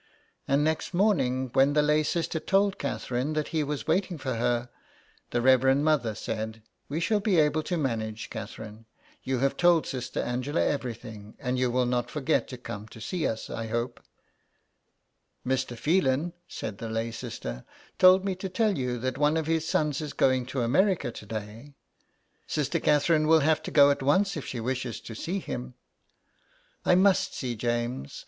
And next morning, when the lay sister told Catherine that he was waiting for her, the Reverend Mother said :" We shall be able to manage, Catherine. You have told Sister Angela everything, and you will not forget to come to see us, I hope.'' " Mr. Phelan," said the lay sister, '' told me to tell you that one of his sons is going to America to day. Sister Catherine will have to go at once if she wishes to see him." '' I must see James.